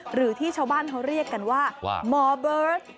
หรือที่ชาวบ้านเขาเรียกกันว่าหมอเบิร์ต